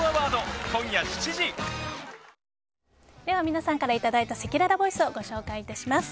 では皆さんからいただいたせきららボイスをご紹介いたします。